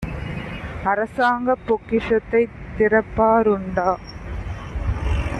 அரசாங்கப் பொக்கிஷத்தைத் திறப்பா ருண்டா?